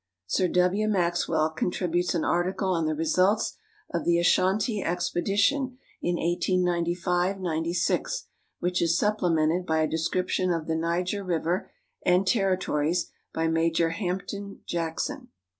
Sir W. Max well contributes an article on the Results of the Ashanti Expedition in lS95 '96, which is supplemented by a description of the Niger River and Territories, by Major Hampden Jackson.